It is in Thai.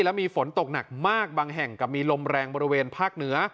แล้วมีฝนตกหนักมากบางแห่งกับมีลมแรงบริเวณภาคเหนือ